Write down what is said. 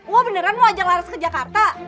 wah beneran mau ajak laras ke jakarta